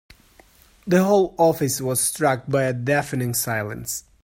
The whole office was struck by a deafening silence.